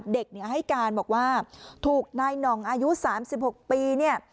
เด็กเนี่ยให้การบอกว่าถูกนายหน่องอายุ๓๖ปีเนี่ย